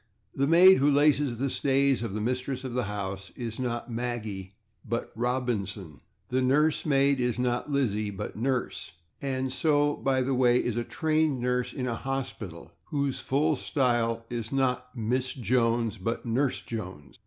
The maid who laces the stays of the mistress of the house is not /Maggie/ but /Robinson/. The nurse maid is not /Lizzie/ but /Nurse/. So, by the way, is a trained nurse in a hospital, whose full style is not /Miss Jones/, but /Nurse Jones